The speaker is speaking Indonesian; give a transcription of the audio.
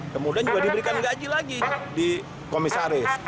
kemudian juga diberikan gaji lagi di komisaris